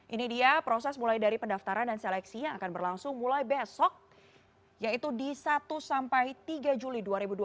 ini dia proses mulai dari pendaftaran dan seleksi yang akan berlangsung mulai besok yaitu di satu sampai tiga juli dua ribu dua puluh